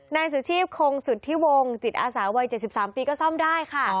ในสุชีพโครงสุดที่วงจิตอาสาเวย๗๓ปีก็ซ่อมได้ค่ะ